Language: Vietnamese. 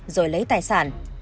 rồi lấy tài sản